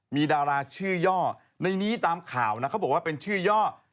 มีดาราชื่อย่อในนี้ตามข่าวนะเขาบอกว่าเป็นชื่อย่อ